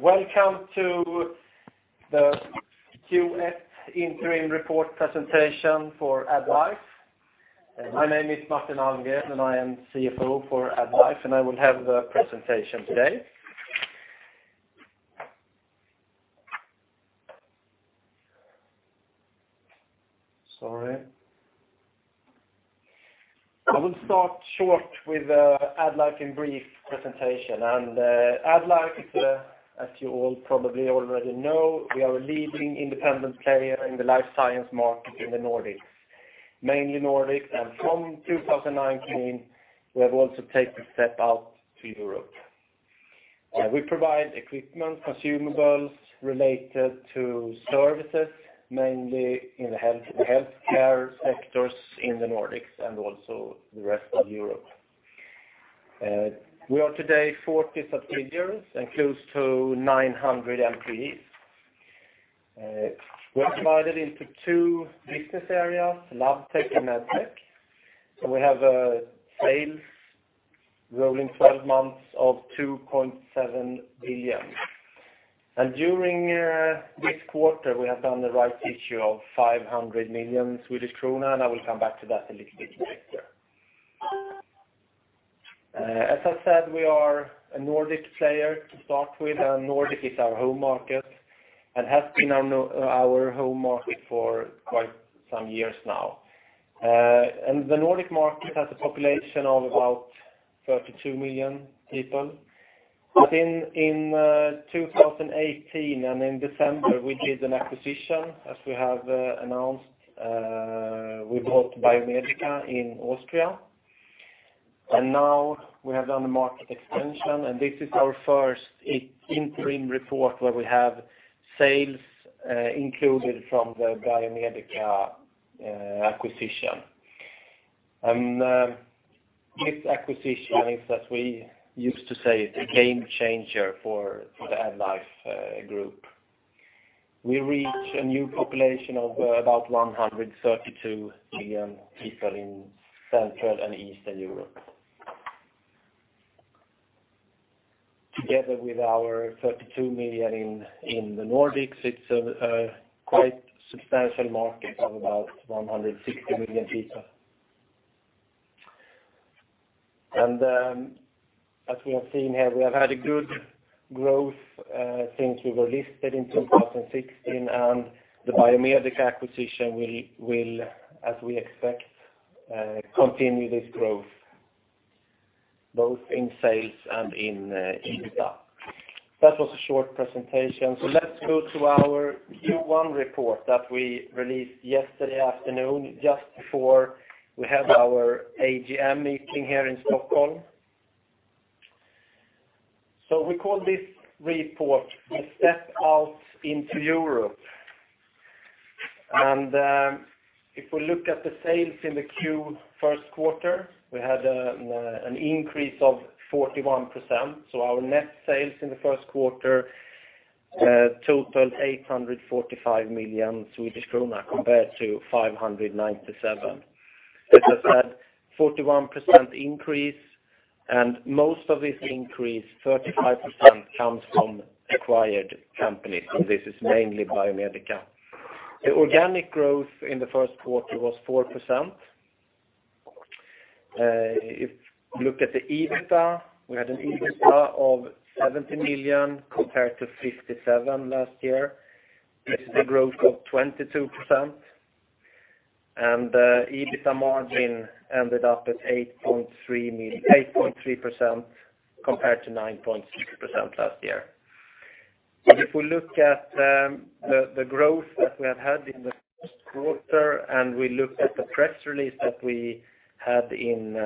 Welcome to the Q1 interim report presentation for AddLife. My name is Martin Almgren, and I am CFO for AddLife, and I will have the presentation today. Sorry. I will start short with AddLife in brief presentation. AddLife, as you all probably already know, we are a leading independent player in the life science market in the Nordics. Mainly Nordics, and from 2019, we have also taken a step out to Europe. We provide equipment, consumables related to services, mainly in the healthcare sectors in the Nordics and also the rest of Europe. We are today 40 subsidiaries and close to 900 employees. We are divided into two business areas, Labtech and Medtech. We have sales rolling 12 months of 2.7 billion. During this quarter, we have done the rights issue of 500 million Swedish krona, and I will come back to that a little bit later. As I said, we are a Nordic player to start with, Nordic is our home market and has been our home market for quite some years now. The Nordic market has a population of about 32 million people. In 2018 and in December, we did an acquisition, as we have announced, we bought Biomedica in Austria. Now we have done the market extension, and this is our first interim report where we have sales included from the Biomedica acquisition. This acquisition is, as we used to say, it's a game changer for the AddLife group. We reach a new population of about 132 million people in Central and Eastern Europe. Together with our 32 million in the Nordics, it's a quite substantial market of about 160 million people. As we have seen here, we have had a good growth since we were listed in 2016, and the Biomedica acquisition will, as we expect, continue this growth both in sales and in EBITDA. That was a short presentation. Let's go to our Q1 report that we released yesterday afternoon, just before we had our AGM meeting here in Stockholm. We call this report The Step Out into Europe. If we look at the sales in the Q first quarter, we had an increase of 41%. Our net sales in the first quarter totaled 845 million Swedish krona compared to 597 million. As I said, 41% increase, and most of this increase, 35%, comes from acquired companies, and this is mainly Biomedica. The organic growth in the first quarter was 4%. If you look at the EBITDA, we had an EBITDA of 70 million compared to 57 million last year, which is a growth of 22%. The EBITDA margin ended up at 8.3% compared to 9.6% last year. If we look at the growth that we have had in the first quarter, and we look at the press release that we had in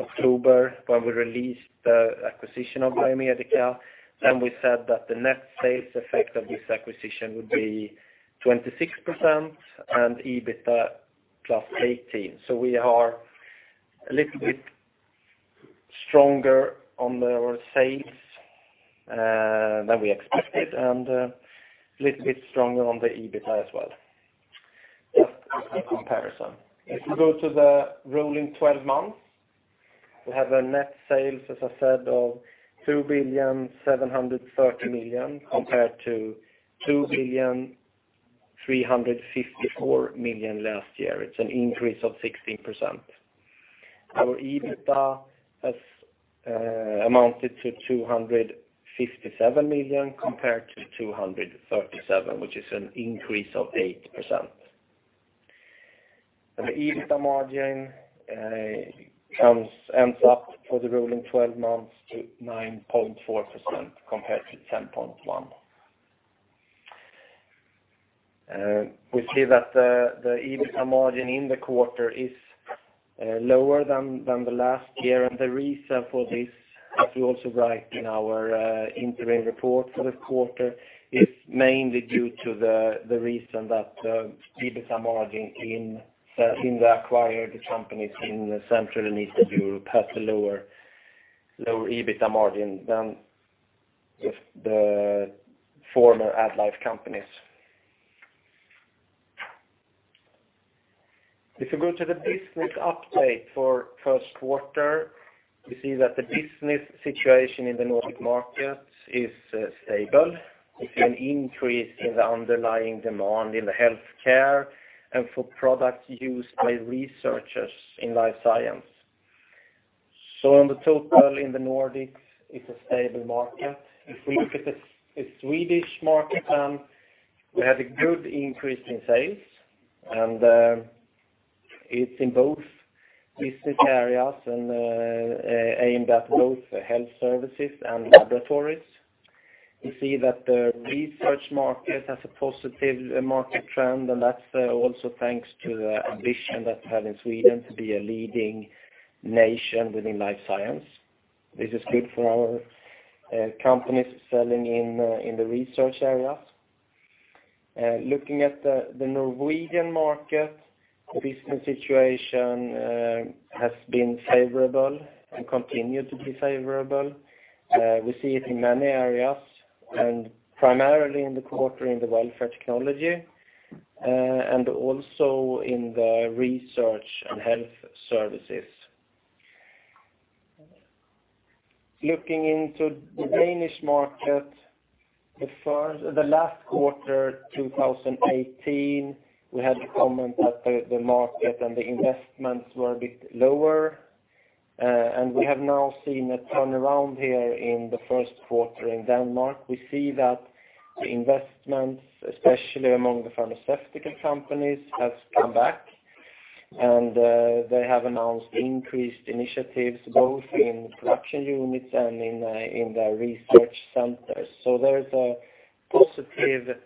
October, when we released the acquisition of Biomedica, then we said that the net sales effect of this acquisition would be 26% and EBITDA plus 18%. We are a little bit stronger on our sales than we expected and a little bit stronger on the EBITDA as well. Just as a comparison. If we go to the rolling 12 months, we have a net sales, as I said, of 2.73 billion compared to 2.354 billion last year. It's an increase of 16%. Our EBITDA has amounted to 257 million compared to 237 million, which is an increase of 8%. The EBITDA margin ends up for the rolling 12 months to 9.4% compared to 10.1%. We see that the EBITDA margin in the quarter is lower than the last year. The reason for this, as we also write in our interim report for the quarter, is mainly due to the reason that the EBITDA margin in the acquired companies in Central and Eastern Europe has a lower EBITDA margin than the former AddLife companies. If you go to the business update for first quarter, we see that the business situation in the Nordic market is stable, with an increase in the underlying demand in the healthcare and for products used by researchers in Life Science. On the total in the Nordics, it's a stable market. If we look at the Swedish market, we had a good increase in sales, and it's in both business areas and aimed at both health services and laboratories. We see that the research market has a positive market trend, and that's also thanks to the ambition that they have in Sweden to be a leading nation within Life Science, which is good for our companies selling in the research area. Looking at the Norwegian market, the business situation has been favorable and continue to be favorable. We see it in many areas, and primarily in the quarter in the welfare technology, and also in the research and health services. Looking into the Danish market, the last quarter 2018, we had to comment that the market and the investments were a bit lower. We have now seen a turnaround here in the first quarter in Denmark. We see that the investments, especially among the pharmaceutical companies, has come back, and they have announced increased initiatives both in production units and in their research centers. There is a positive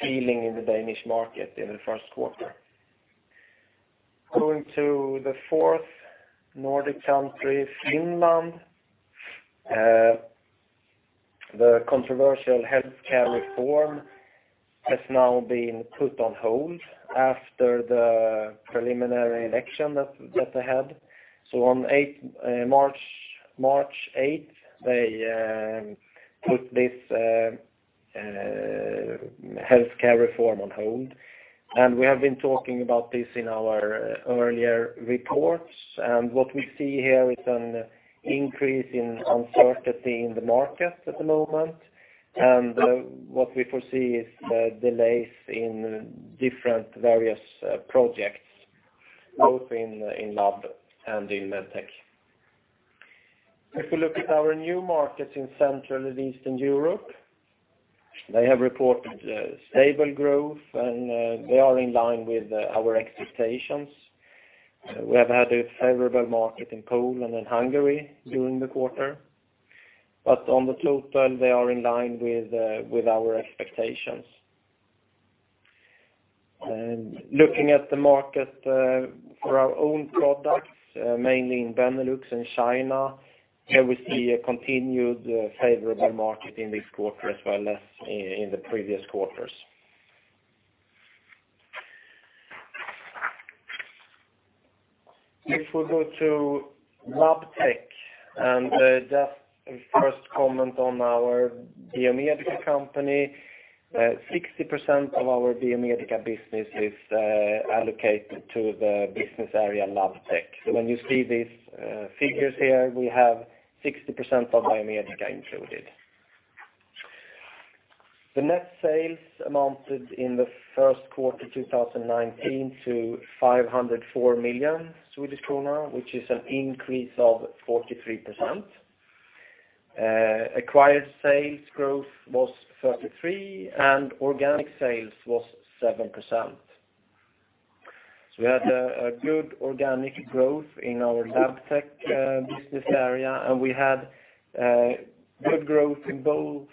feeling in the Danish market in the first quarter. Going to the fourth Nordic country, Finland. The controversial healthcare reform has now been put on hold after the preliminary election that they had. On March 8th, they put this healthcare reform on hold, and we have been talking about this in our earlier reports. What we see here is an increase in uncertainty in the market at the moment. What we foresee is delays in different various projects, both in Labtech and in Medtech. If you look at our new markets in Central and Eastern Europe, they have reported stable growth, and they are in line with our expectations. We have had a favorable market in Poland and Hungary during the quarter, on the total, they are in line with our expectations. Looking at the market for our own products, mainly in Benelux and China, here we see a continued favorable market in this quarter as well as in the previous quarters. If we go to Labtech, and just a first comment on our Biomedica company, 60% of our Biomedica business is allocated to the business area Labtech. When you see these figures here, we have 60% of Biomedica included. The net sales amounted in the first quarter 2019 to 504 million Swedish kronor, which is an increase of 43%. Acquired sales growth was 33%, and organic sales was 7%. We had a good organic growth in our Labtech business area, and we had good growth in both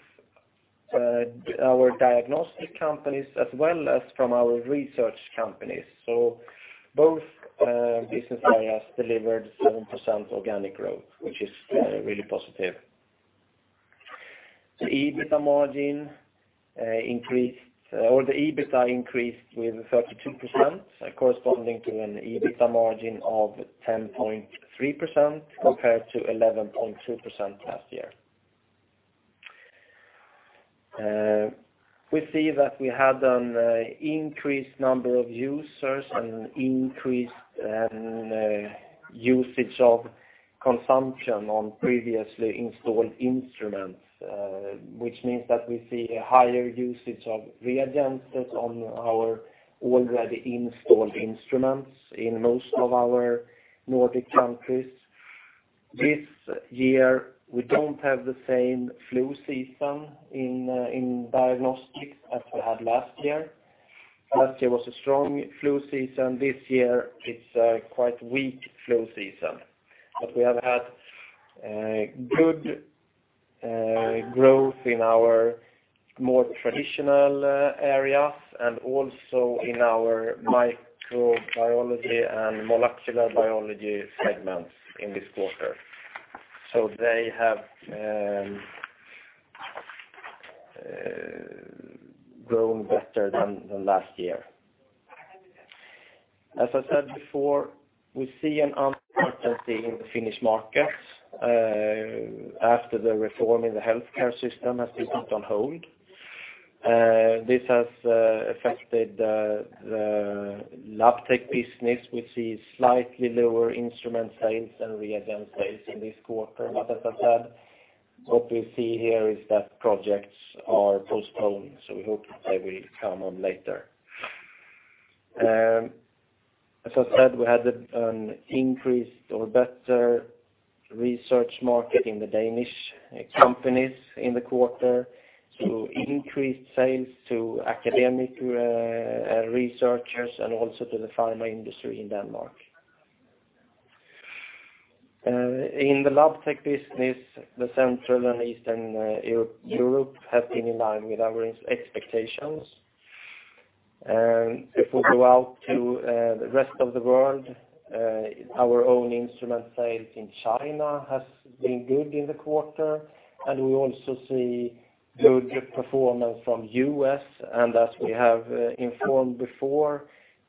our diagnostic companies as well as from our research companies. Both business areas delivered 7% organic growth, which is really positive. The EBITDA increased with 32%, corresponding to an EBITDA margin of 10.3% compared to 11.2% last year. We see that we had an increased number of users and increased usage of consumption on previously installed instruments, which means that we see a higher usage of reagents on our already installed instruments in most of our Nordic countries. This year, we don't have the same flu season in diagnostics as we had last year. Last year was a strong flu season. This year it's a quite weak flu season. We have had good growth in our more traditional areas and also in our microbiology and molecular biology segments in this quarter. They have grown better than last year. As I said before, we see an uncertainty in the Finnish markets after the reform in the healthcare system has been put on hold. This has affected the Labtech business. We see slightly lower instrument sales and reagent sales in this quarter. As I said, what we see here is that projects are postponed, we hope they will come on later. As I said, we had an increased or better research market in the Danish companies in the quarter through increased sales to academic researchers and also to the pharma industry in Denmark. In the Labtech business, the Central and Eastern Europe have been in line with our expectations. If we go out to the rest of the world, our own instrument sales in China has been good in the quarter, and we also see good performance from U.S., and as we have informed before,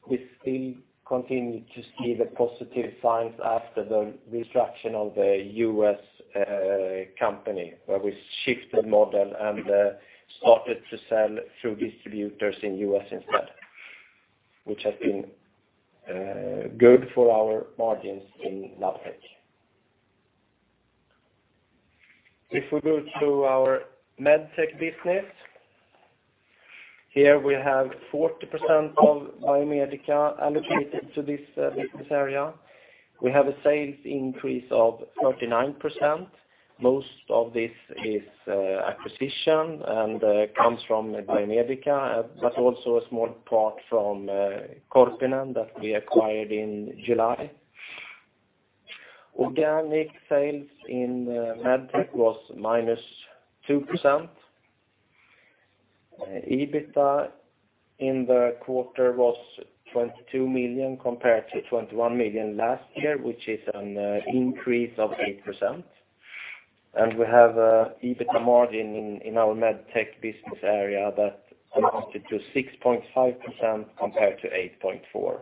we still continue to see the positive signs after the restructuring of the U.S. company, where we shift the model and started to sell through distributors in U.S. instead, which has been good for our margins in Labtech. If we go to our Medtech business, here we have 40% of Biomedica allocated to this business area. We have a sales increase of 39%. Most of this is acquisition and comes from Biomedica, but also a small part from Korpinen that we acquired in July. Organic sales in Medtech was minus 2%. EBITDA in the quarter was 22 million compared to 21 million last year, which is an increase of 8%. We have EBITDA margin in our Medtech business area that amounted to 6.5% compared to 8.4%.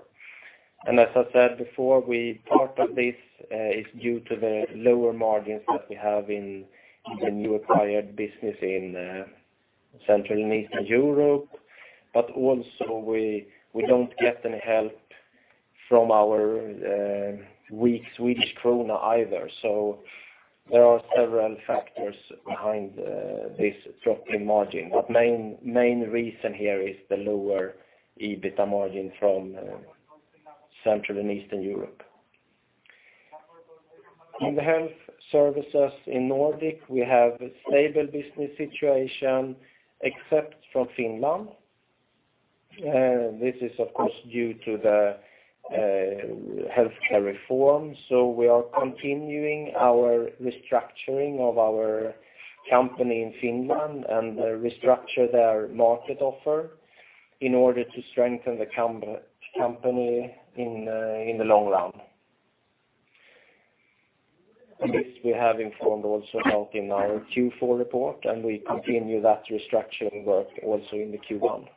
As I said before, part of this is due to the lower margins that we have in the new acquired business in Central and Eastern Europe. Also we don't get any help from our weak Swedish krona either. There are several factors behind this drop in margin, but main reason here is the lower EBITDA margin from Central and Eastern Europe. In the health services in Nordic, we have a stable business situation except from Finland. This is, of course, due to the healthcare reform. We are continuing our restructuring of our company in Finland and restructure their market offer in order to strengthen the company in the long run. This we have informed also about in our Q4 report, we continue that restructuring work also in the Q1.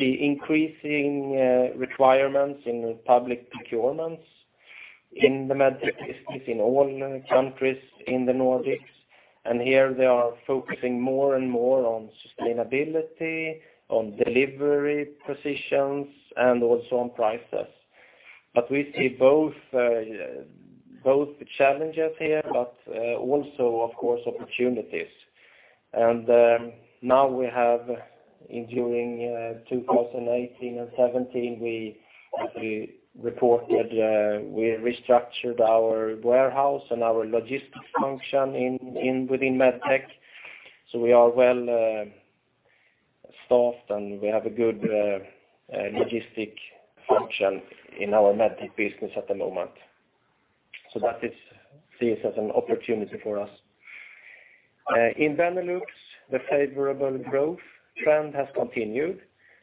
The increasing requirements in public procurements in the Medtech business in all countries in the Nordics, here they are focusing more and more on sustainability, on delivery precision, and also on prices. We see both the challenges here, but also, of course, opportunities. Now we have, during 2018 and 2017, we reported we restructured our warehouse and our logistics function within Medtech. We are well-staffed, and we have a good logistic function in our Medtech business at the moment. That is seen as an opportunity for us. In Benelux, the favorable growth trend has continued,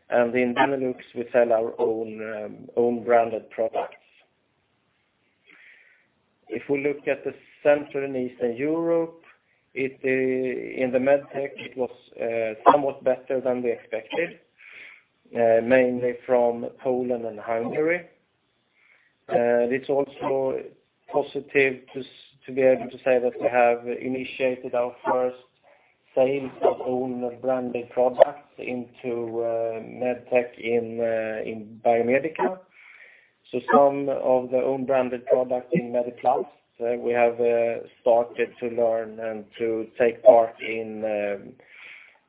and in Benelux, we sell our own branded products. We look at the Central and Eastern Europe, in the Medtech, it was somewhat better than we expected, mainly from Poland and Hungary. It is also positive to be able to say that we have initiated our first sales of own branded products into Medtech in Biomedica. Some of the own-branded products in Mediplast, we have started to learn and to take part in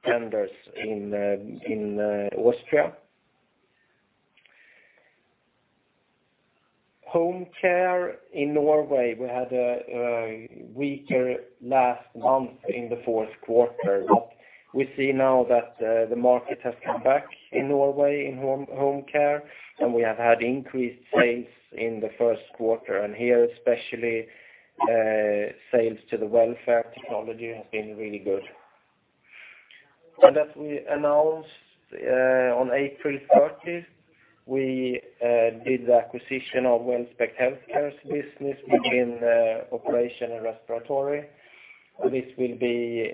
tenders in Austria. Home care in Norway, we had a weaker last month in the fourth quarter, but we see now that the market has come back in Norway in home care, and we have had increased sales in the first quarter. Here, especially, sales to the welfare technology has been really good. As we announced on April 30th, we did the acquisition of Wellspect HealthCare's business within operation and respiratory. This will be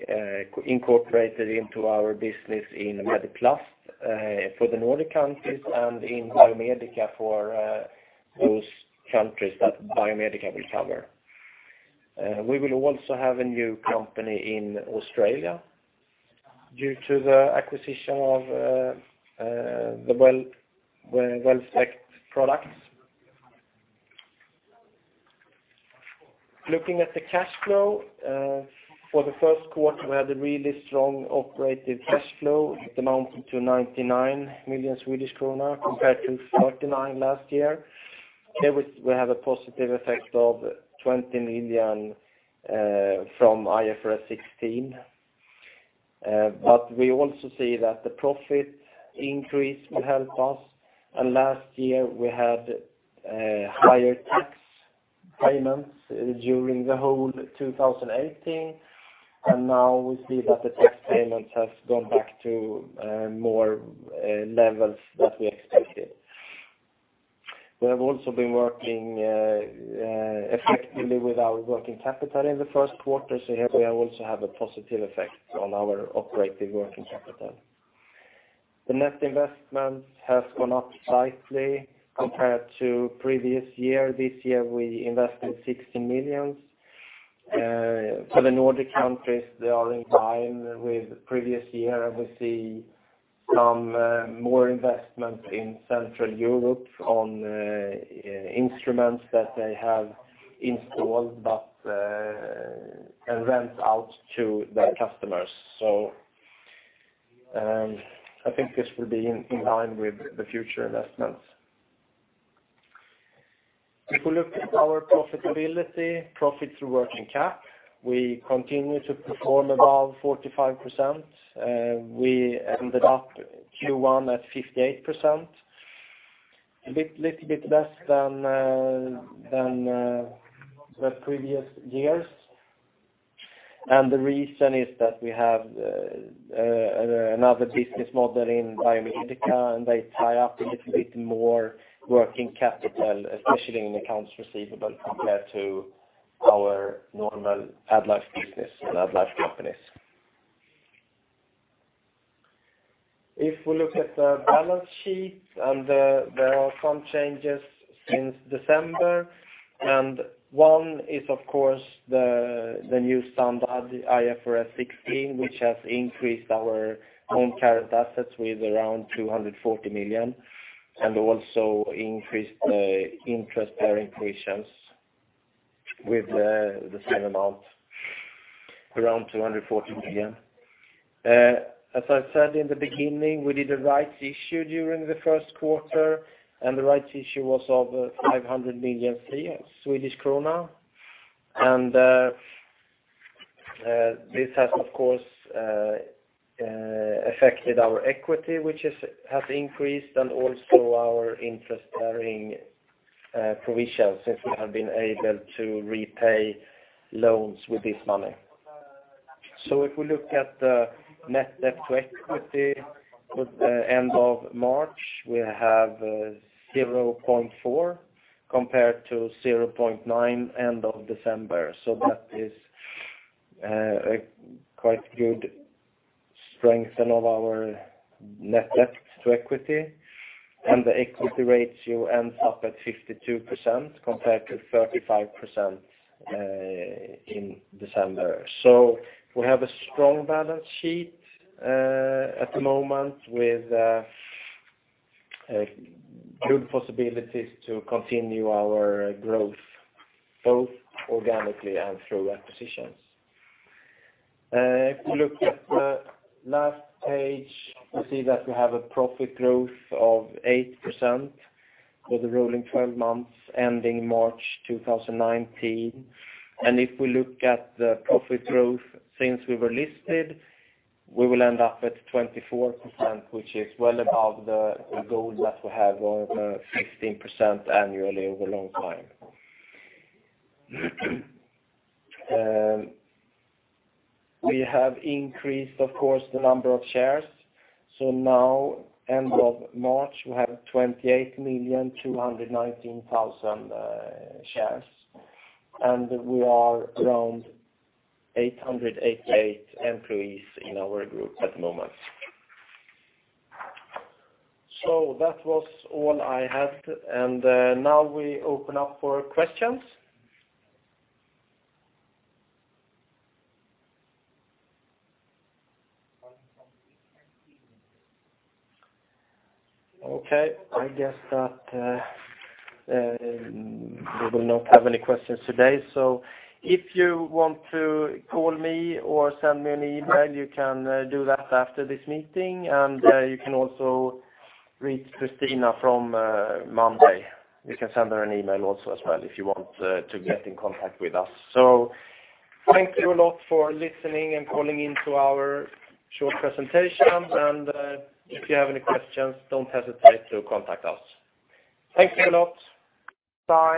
incorporated into our business in Mediplast for the Nordic countries and in Biomedica for those countries that Biomedica will cover. We will also have a new company in Australia due to the acquisition of the Wellspect products. Looking at the cash flow for the first quarter, we had a really strong operating cash flow amounting to 99 million Swedish krona compared to 39 last year. Here we have a positive effect of 20 million from IFRS 16. We also see that the profit increase will help us, and last year we had higher tax payments during the whole of 2018, and now we see that the tax payments have gone back to more levels that we expected. We have also been working effectively with our working capital in the first quarter, here we also have a positive effect on our operating working capital. The net investment has gone up slightly compared to the previous year. This year, we invested 60 million. For the Nordic countries, they are in line with the previous year, and we see some more investment in Central Europe on instruments that they have installed and rent out to their customers. I think this will be in line with the future investments. We look at our profitability, profit through working cap, we continue to perform above 45%. We ended up Q1 at 58%, a little bit less than the previous years. The reason is that we have another business model in Biomedica, and they tie up a little bit more working capital, especially in accounts receivable, compared to our normal AddLife business and AddLife companies. If we look at the balance sheet, there are some changes since December. One is, of course, the new standard, IFRS 16, which has increased our own current assets with around 240 million, also increased the interest-bearing provisions with the same amount, around 240 million. As I said in the beginning, we did a rights issue during the first quarter. The rights issue was of 500 million Swedish krona. This has, of course, affected our equity, which has increased, also our interest-bearing provisions, since we have been able to repay loans with this money. If we look at the net debt to equity at the end of March, we have 0.4 compared to 0.9 end of December. That is a quite good strengthen of our net debt to equity, and the equity ratio ends up at 52% compared to 35% in December. We have a strong balance sheet at the moment with good possibilities to continue our growth, both organically and through acquisitions. If we look at the last page, we see that we have a profit growth of 8% for the rolling 12 months ending March 2019. If we look at the profit growth since we were listed, we will end up at 24%, which is well above the goal that we have of 15% annually over a long time. We have increased, of course, the number of shares. Now, end of March, we have 28,219,000 shares, and we are around 888 employees in our group at the moment. That was all I had. Now we open up for questions. Okay, I guess that we will not have any questions today. If you want to call me or send me an email, you can do that after this meeting. You can also reach Christina from Monday. You can send her an email also as well if you want to get in contact with us. Thank you a lot for listening and calling in to our short presentation. If you have any questions, don't hesitate to contact us. Thank you a lot. Bye